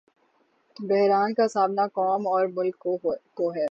بحران کا سامنا قوم اورملک کو ہے۔